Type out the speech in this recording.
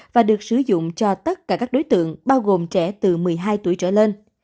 và được sử dụng cho tất cả các đối tượng bao gồm trẻ từ một mươi hai tuổi trở lên